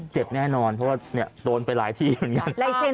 แน่นอนเพราะว่าโดนไปหลายที่เหมือนกัน